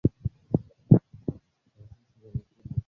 Mazizi ya mifugo